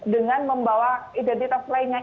dengan membawa identitas lainnya